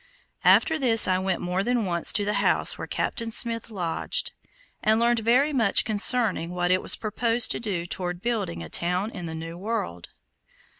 After this I went more than once to the house where Captain Smith lodged, and learned very much concerning what it was proposed to do toward building a town in the new world.